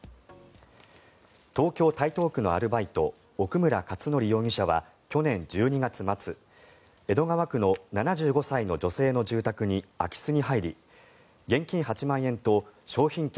東京・台東区のアルバイト奥村勝典容疑者は去年１２月末江戸川区の７５歳の女性の住宅に空き巣に入り現金８万円と商品券